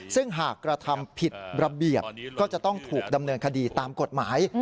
ซึ่งหากกระทำผิดระเบียบก็จะต้องถูกดำเนินคดีตามกฎหมาย